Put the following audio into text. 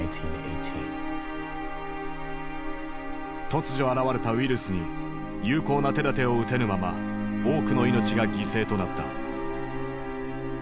突如現れたウイルスに有効な手だてを打てぬまま多くの命が犠牲となった。